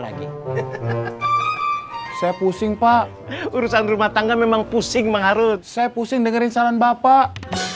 lagi saya pusing pak urusan rumah tangga memang pusing mengharut saya pusing dengerin saran bapak